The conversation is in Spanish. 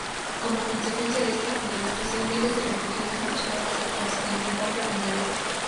Como consecuencia de esta devastación, miles de refugiados marcharon hacia Constantinopla, en el Oeste.